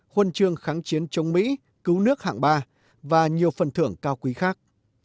huân chương kháng chiến chống mỹ cứu nước hạng ba và nhiều phần thưởng cao quý khác